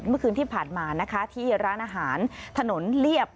เมื่อคืนที่ผ่านมานะคะที่ร้านอาหารถนนเรียบ